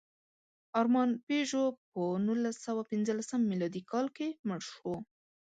ارمان پيژو په نولسسوهپینځلسم مېلادي کال کې مړ شو.